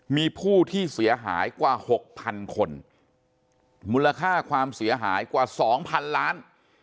มีผู้ที่เสียหายกว่าหกพันคนมูลค่าความเสียหายกว่า๒๐๐๐ล้าน